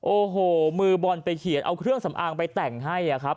โอ้โหมือบอลไปเขียนเอาเครื่องสำอางไปแต่งให้ครับ